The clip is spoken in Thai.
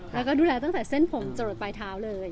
แล้วก็ดูแลตั้งแต่เส้นผมจรดปลายเท้าเลย